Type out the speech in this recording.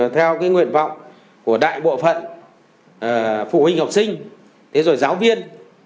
theo nguyện vọng của đại bộ phận phụ huynh học sinh giáo viên